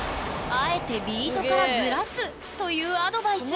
あえてビートからずらすというアドバイス。